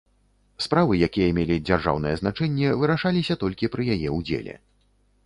Справы, якія мелі дзяржаўнае значэнне, вырашаліся толькі пры яе ўдзеле.